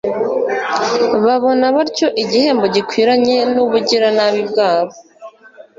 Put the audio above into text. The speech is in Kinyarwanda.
babona batyo igihembo gikwiranye n'ubugiranabi bwabo